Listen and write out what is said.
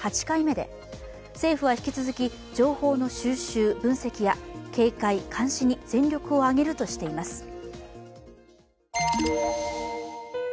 ８回目で政府は引き続き、情報の収集・分析や警戒監視に全力を挙げるとしています。